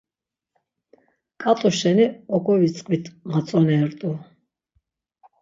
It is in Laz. K̆at̆u şeni oǩovitzqvit mat̆zonert̆u.